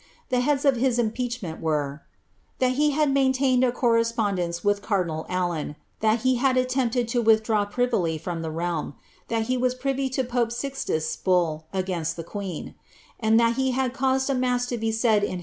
The heads of his impeachment were, ■■ that he had main tained a correspondence with cardinal Allen ; (hat he had allempted to withdraw privily from the realm; that he was privy to pope Sijiui"i bull against the queen ; and that he had caused a mass to be said in hi?